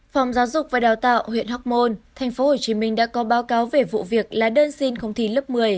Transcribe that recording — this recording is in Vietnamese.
phòng giáo dục và đào tạo huyện hóc môn tp hcm đã có báo cáo về vụ việc là đơn xin không thi lớp một mươi